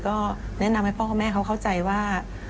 ก็แนะนำให้พ่อกับแม่เขาเข้าใจว่า